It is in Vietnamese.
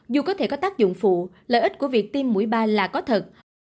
dù có thể có tác dụng phụ lợi ích của việc tiêm mũi ba là có thật